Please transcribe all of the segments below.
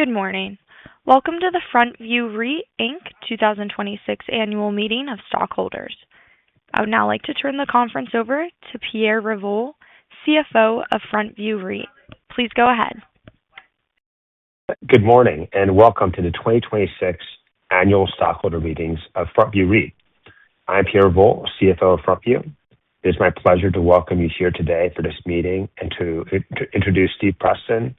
Good morning. Welcome to the FrontView REIT, Inc 2026 annual meeting of stockholders. I would now like to turn the conference over to Pierre Revol, CFO of FrontView REIT. Please go ahead. Good morning, and welcome to the 2026 annual stockholder meetings of FrontView REIT. I'm Pierre Revol, CFO of FrontView. It is my pleasure to welcome you here today for this meeting and to introduce Steve Preston,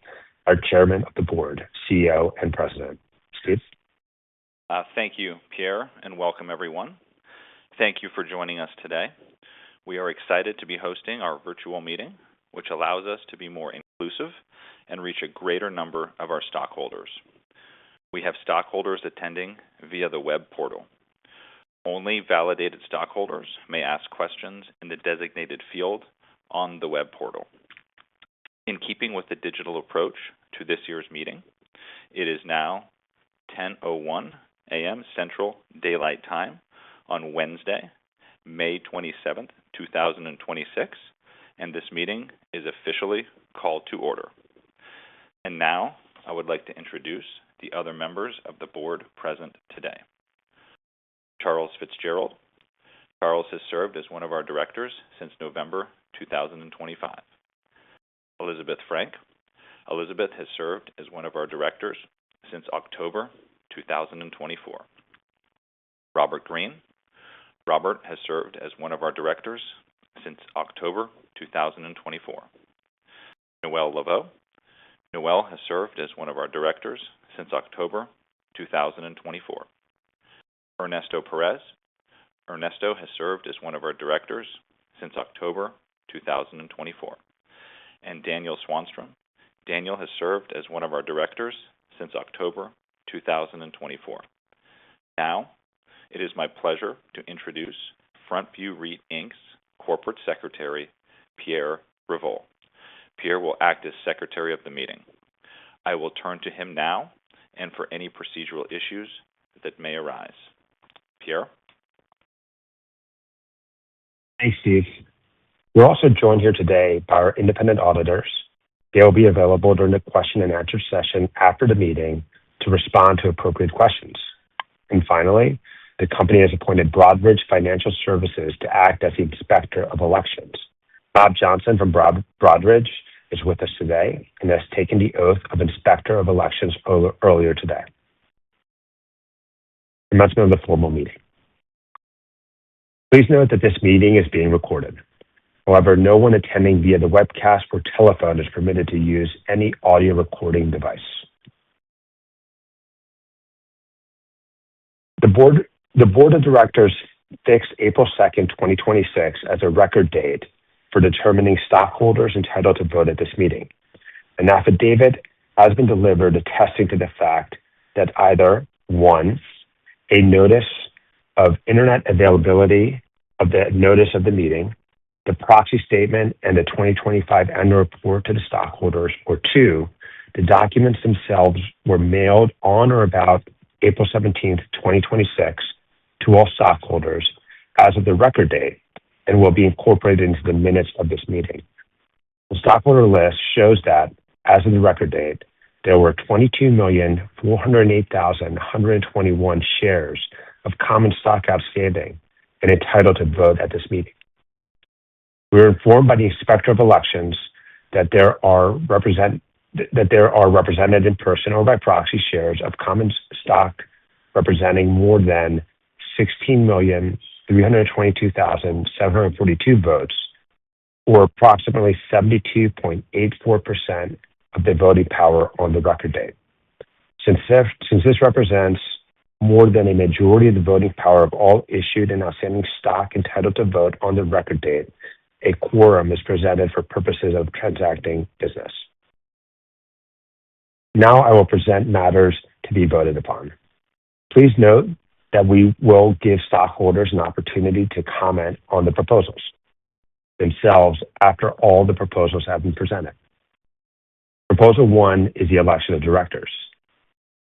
our Chairman of the Board, CEO, and President. Steve? Thank you, Pierre, and welcome everyone. Thank you for joining us today. We are excited to be hosting our virtual meeting, which allows us to be more inclusive and reach a greater number of our stockholders. We have stockholders attending via the web portal. Only validated stockholders may ask questions in the designated field on the web portal. In keeping with the digital approach to this year's meeting, it is now 10:01 A.M. Central Daylight Time on Wednesday, May 27, 2026, and this meeting is officially called to order. Now I would like to introduce the other members of the Board present today. Charles Fitzgerald. Charles has served as one of our directors since November 2025. Elizabeth Frank. Elizabeth has served as one of our directors since October 2024. Robert Green. Robert has served as one of our directors since October 2024. Noelle LeVeaux. Noelle has served as one of our directors since October 2024. Ernesto Perez. Ernesto has served as one of our directors since October 2024. Daniel Swanstrom. Daniel has served as one of our directors since October 2024. Now it is my pleasure to introduce FrontView REIT, Inc's Corporate Secretary, Pierre Revol. Pierre will act as secretary of the meeting. I will turn to him now and for any procedural issues that may arise. Pierre? Thanks, Steve. We're also joined here today by our independent auditors. They will be available during the question and answer session after the meeting to respond to appropriate questions. Finally, the company has appointed Broadridge Financial Solutions to act as the inspector of elections. Bob Johnson from Broadridge is with us today and has taken the oath of inspector of elections earlier today. Commencement of the formal meeting. Please note that this meeting is being recorded. However, no one attending via the webcast or telephone is permitted to use any audio recording device. The board of directors fixed April 2, 2026 as a record date for determining stockholders entitled to vote at this meeting. An affidavit has been delivered attesting to the fact that either, one, a notice of internet availability of the notice of the meeting, the proxy statement, and the 2025 annual report to the stockholders. Two, the documents themselves were mailed on or about April 17th, 2026 to all stockholders as of the record date and will be incorporated into the minutes of this meeting. The stockholder list shows that as of the record date, there were 22,408,121 shares of common stock outstanding and entitled to vote at this meeting. We're informed by the Inspector of Election that there are represented in person or by proxy shares of common stock representing more than 16,322,742 votes, or approximately 72.84% of the voting power on the record date. Since this represents more than a majority of the voting power of all issued and outstanding stock entitled to vote on the record date, a quorum is presented for purposes of transacting business. I will present matters to be voted upon. Please note that we will give stockholders an opportunity to comment on the proposals themselves after all the proposals have been presented. Proposal one is the election of directors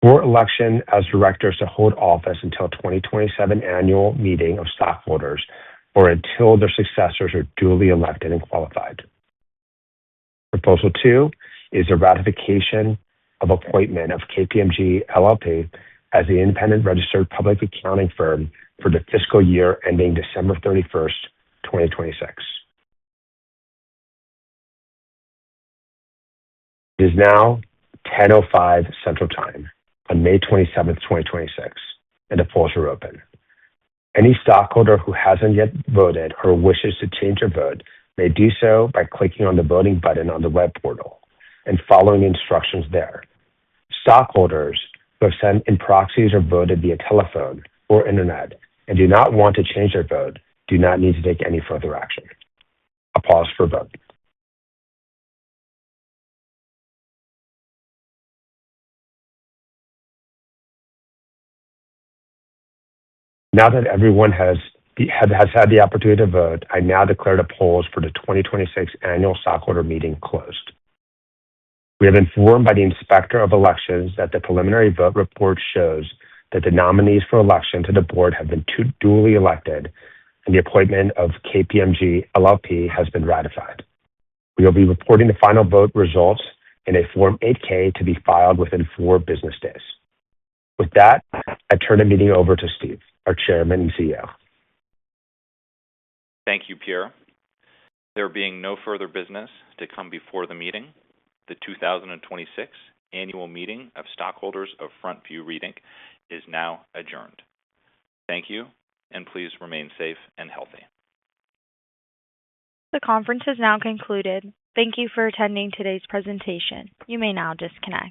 for election as directors to hold office until 2027 annual meeting of stockholders, or until their successors are duly elected and qualified. Proposal two is a ratification of appointment of KPMG LLP as the independent registered public accounting firm for the fiscal year ending December 31st, 2026. It is now 10:05 A.M. Central Time on May 27th, 2026 and the polls are open. Any stockholder who hasn't yet voted or wishes to change their vote may do so by clicking on the voting button on the web portal and following the instructions there. Stockholders who have sent in proxies or voted via telephone or internet and do not want to change their vote do not need to take any further action. I'll pause for a vote. Now that everyone has had the opportunity to vote, I now declare the polls for the 2026 annual stockholder meeting closed. We have been informed by the Inspector of Election that the preliminary vote report shows that the nominees for election to the board have been duly elected and the appointment of KPMG LLP has been ratified. We will be reporting the final vote results in a Form 8-K to be filed within four business days. With that, I turn the meeting over to Steve, our Chairman and CEO. Thank you, Pierre Revol. There being no further business to come before the meeting, the 2026 annual meeting of stockholders of FrontView REIT, Inc. is now adjourned. Thank you, and please remain safe and healthy. The conference has now concluded. Thank you for attending today's presentation. You may now disconnect.